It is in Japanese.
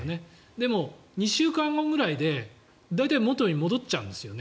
でも、２週間後ぐらいで大体、元に戻っちゃうんです。